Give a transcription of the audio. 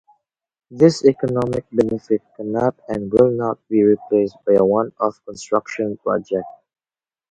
This economic benefit cannot and will not be replaced by a one-off construction project.